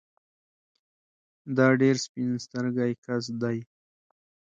دا ډېر سپين سترګی کس دی